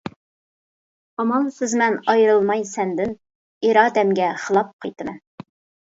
ئامالسىزمەن ئايرىلماي سەندىن، ئىرادەمگە خىلاپ قايتىمەن.